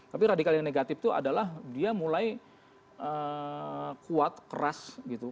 tapi radikal yang negatif itu adalah dia mulai kuat keras gitu